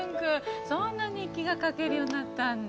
そんな日記が書けるようになったんだ。